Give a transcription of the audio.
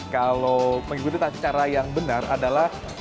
kalau menikmati secara yang benar adalah